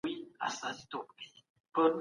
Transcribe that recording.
د زابل مرکزي ښار قلات دی.